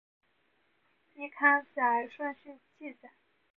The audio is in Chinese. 依刊载顺序记载。